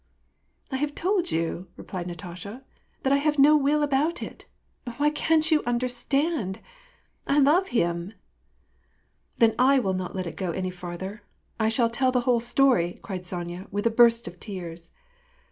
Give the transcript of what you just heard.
" I have told you," replied Natasha, " that I have no will about it ! Why can't you understand ? I love him !"" Then I will not let it go any farther. I shall tell the whole story," cried Sonya, with a burst of tears.